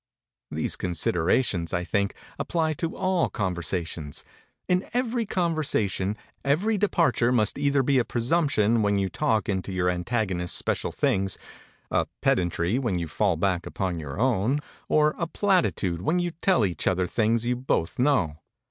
These considerations, I think, apply to all conversations. In every conversation, every departure must either be a presumption when you talk into your antagonist's special things, a pedantry when you fall back upon your own, or a platitude when you tell each other things you both know.